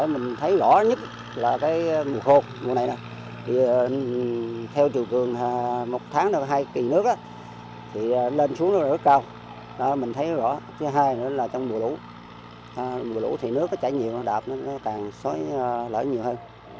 mình thấy rõ thứ hai là trong mùa lũ mùa lũ thì nước nó chảy nhiều đạp nó càng xói lở nhiều hơn